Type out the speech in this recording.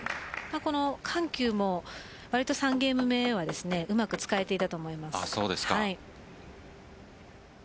この緩急も３ゲーム目はうまく使えていたと思います。